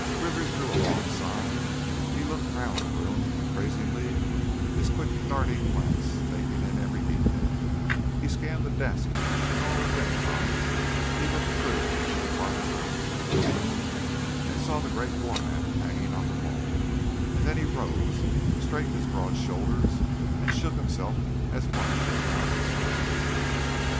Rivers drew a long sigh; he looked round the room, appraisingly, his quick, darting glance taking in every detail, he scanned the desk and all the things on it, he looked through into the farther room, the Blue Room, and saw the great war map hanging on the wall, and then he rose, straightened his broad shoulders, and shook himself as one who arouses from sleep.